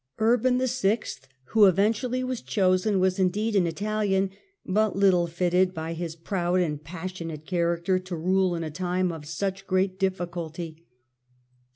Urban VI., who eventually was chosen, was in deed an Italian, but little fitted by his proud and pas sionate character to rule in a time of such great difficulty.